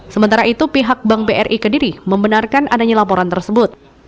sementara itu pihak bank bri kediri membenarkan adanya laporan tersebut